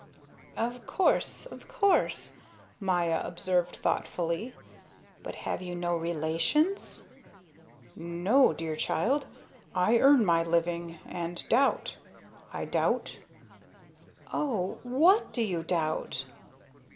"Of course, of course," Maya observed thoughtfully. "But have you no relations?" "No, dear child. I earn my living, and doubt. I doubt." "Oh! What do you doubt?"